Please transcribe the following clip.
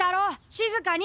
静かに。